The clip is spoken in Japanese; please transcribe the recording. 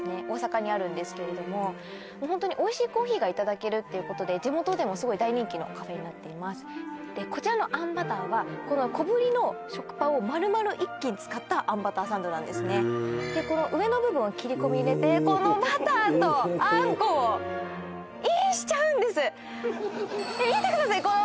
大阪にあるんですけれどもホントにおいしいコーヒーがいただけるっていうことで地元でもすごい大人気のカフェになっていますでこちらのあんバターはこの小ぶりの食パンを丸々１斤使ったあんバターサンドなんですねでこの上の部分を切り込み入れてこのバターとあんこをインしちゃうんです見てください